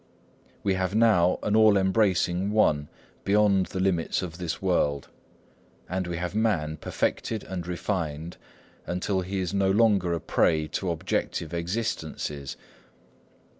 We have now an all embracing One, beyond the limits of this world, and we have man perfected and refined until he is no longer a prey to objective existences.